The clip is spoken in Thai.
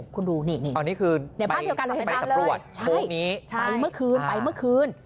คุณดูนี่นี่ในบ้านเที่ยวกันเลยเห็นตามเลยโทรศัพท์นี้ใช่ไปเมื่อคืนไปเมื่อคืน